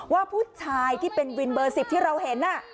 ว่าผู้ชายที่เป็นวินเบอร์๑๐ที่เราเห็น